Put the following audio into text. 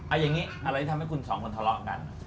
อะไรที่ทำให้คุณสองคนทะเลาะกัน